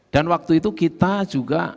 dan waktu itu kita juga